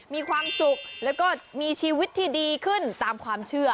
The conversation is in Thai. มีความสุขแล้วก็มีชีวิตที่ดีขึ้นตามความเชื่อ